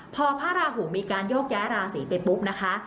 พอพระราหูมีการโยกย้ายราศีไปปุ๊บนะคะ